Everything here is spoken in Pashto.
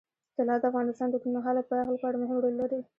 طلا د افغانستان د اوږدمهاله پایښت لپاره مهم رول لري.